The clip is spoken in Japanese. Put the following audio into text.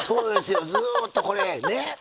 ずっとこれねっ。